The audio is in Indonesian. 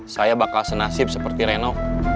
saya bakal senasib seperti reno